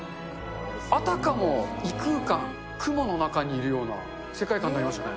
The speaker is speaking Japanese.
あたかも異空間、雲の中にいるような世界観になりましたね。